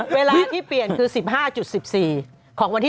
เวลาที่เปลี่ยนคือ๑๕๑๔ของวันที่๑